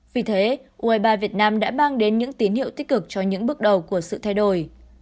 vì thế u hai mươi ba việt nam đã mang đến những tín hiệu tích cực cho những bước đầu của sự thay đổi